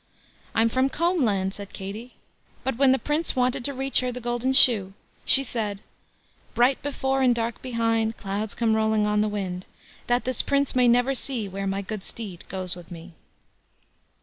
"I'm from Combland", said Katie. But when the Prince wanted to reach her the gold shoe, she said, Bright before and dark behind, Clouds come rolling on the wind; That this Prince may never see Where my good steed goes with me.